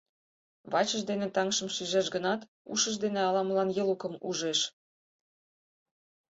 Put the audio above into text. Вачыж дене таҥжым шижеш гынат, ушыж дене ала-молан Елукым ужеш.